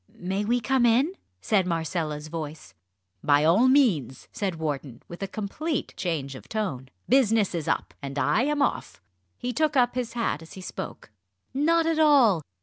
"May we come in?" said Marcella's voice. "By all means," said Wharton, with a complete change of tone. "Business is up and I am off!" He took up his hat as he spoke. "Not at all!